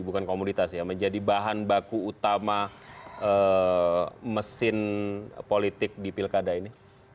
bukan komoditas ya menjadi bahan baku utama mesin politik di pilkada ini